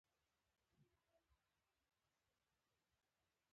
اطمینان ښه دی.